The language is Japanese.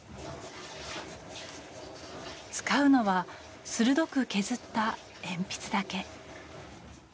使うのは鋭くとがった鉛筆だけ。